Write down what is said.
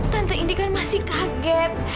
tante ini kan masih kaget